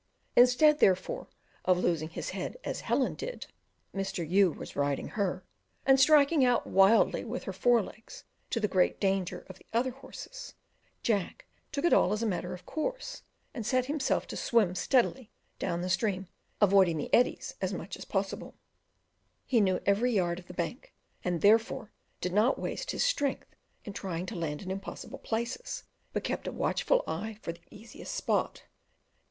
Instead, therefore, of losing his head as Helen did (Mr. U was riding her), and striking out wildly with her forelegs to the great danger of the other horse, Jack took it all as a matter of course, and set himself to swim steadily down the stream, avoiding the eddies as much as possible: he knew every yard of the bank, and did not therefore waste his strength by trying to land in impossible places, but kept a watchful eye for the easiest spot.